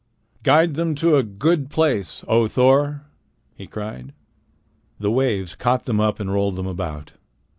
"Guide them to a good place, O Thor!" he cried. The waves caught them up and rolled them about.